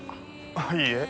あいいえ。